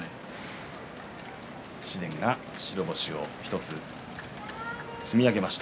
紫雷が白星を１つ積み上げました。